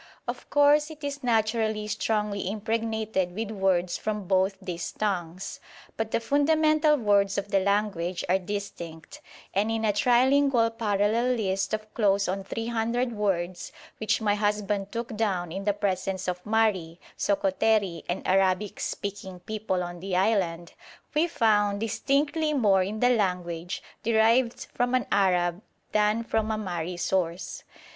Of course it is naturally strongly impregnated with words from both these tongues; but the fundamental words of the language are distinct, and in a trilingual parallel list of close on 300 words, which my husband took down in the presence of Mahri, Sokoteri and Arabic speaking people on the island, we found distinctly more in the language derived from an Arab than from a Mahri source.